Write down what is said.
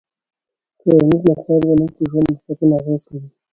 ټولنيز مسایل زموږ په ژوند مستقیم اغېز کوي.